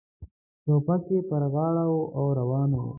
ټوپک یې پر غاړه و او روان و.